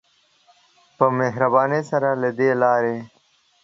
په مهربانی سره له دی لاری.